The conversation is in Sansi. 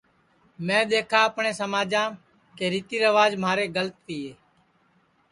میں دؔیکھا اپٹؔے سماجم کہ ریتی ریواج مہارے گلت تیے